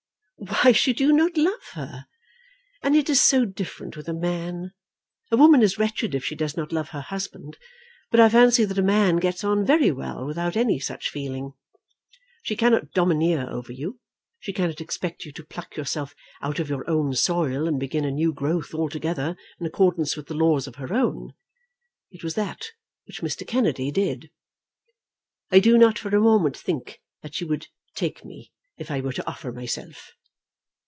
"Why should you not love her? And it is so different with a man! A woman is wretched if she does not love her husband, but I fancy that a man gets on very well without any such feeling. She cannot domineer over you. She cannot expect you to pluck yourself out of your own soil, and begin a new growth altogether in accordance with the laws of her own. It was that which Mr. Kennedy did." "I do not for a moment think that she would take me, if I were to offer myself."